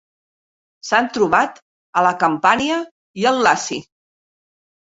S'han trobat a la Campània i el Laci.